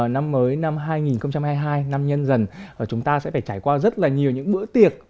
năm mới năm hai nghìn hai mươi hai năm nhân dần chúng ta sẽ phải trải qua rất là nhiều những bữa tiệc